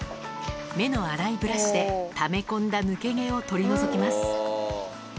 目の粗いブラシでため込んだ抜け毛を取り除きます